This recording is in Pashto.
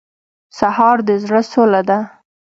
سهار د زړه سوله ده.